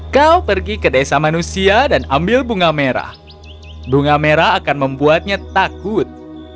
kau pergi ke desa manusia dan ambil bunga merah bunga merah akan membuatnya takut